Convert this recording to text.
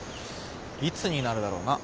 いつになるだろうな。